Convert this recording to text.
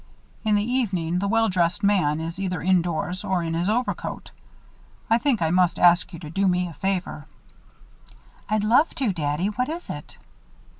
In the evening, the well dressed man is either indoors or in his overcoat. I think I must ask you to do me a favor." "I'd love to, Daddy. What is it?"